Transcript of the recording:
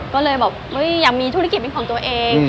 ก็เลยแบบอยากมีธุรกิจเป็นของตัวเอง